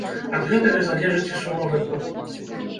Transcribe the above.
Ад гэтага залежыць і сума выплат.